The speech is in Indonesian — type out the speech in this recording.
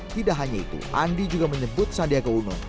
tidak hanya itu andi juga menyebut sandiaga uno